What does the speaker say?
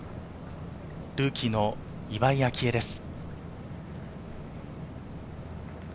ルーキーの岩井明愛です。